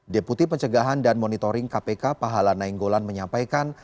deputi pencegahan dan monitoring kpk pahala nainggolan menyampaikan